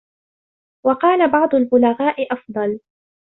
وَقَالَ بَعْضُ الْبُلَغَاءِ أَفْضَلُ